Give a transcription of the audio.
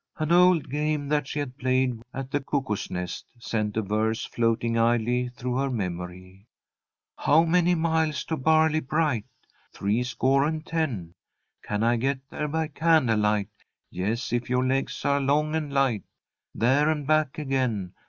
An old game that she had played at the Cuckoos' Nest sent a verse floating idly through her memory: "How many miles to Barley bright?" "Three score and ten!" "Can I get there by candle light?" "_Yes, if your legs are long and light There and back again!